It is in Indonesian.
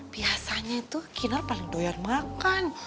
biasanya itu kinar paling doyan makan